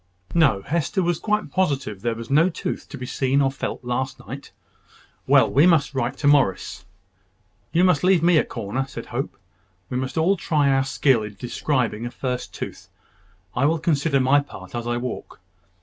No: Hester was quite positive there was no tooth to be seen or felt last night. "Well, we must write to Morris." "You must leave me a corner," said Hope. "We must all try our skill in describing a first tooth. I will consider my part as I walk.